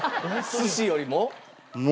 寿司よりも？